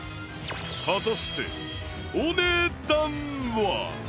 果たしてお値段は？